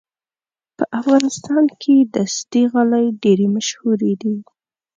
په افغانستان کې دستي غالۍ ډېرې مشهورې دي.